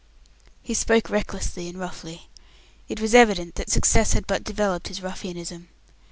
He spoke recklessly and roughly. It was evident that success had but developed his ruffianism.